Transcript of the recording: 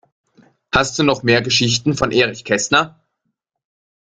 Hast du noch mehr Geschichten von Erich Kästner?